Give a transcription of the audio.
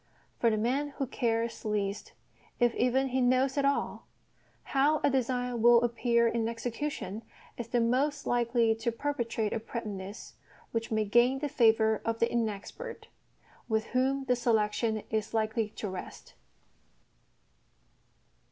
For the man who cares least, if even he knows at all, how a design will appear in execution is the most likely to perpetrate a prettiness which may gain the favour of the inexpert, with whom the selection is likely to rest.